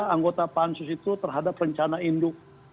anggota pansus itu terhadap rencana induk